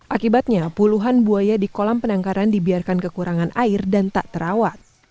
akibatnya puluhan buaya di kolam penangkaran dibiarkan kekurangan air dan tak terawat